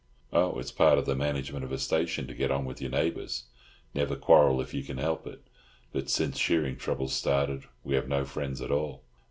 "Oh, it's part of the management of a station to get on with your neighbours. Never quarrel if you can help it. But since shearing troubles started we have no friends at all."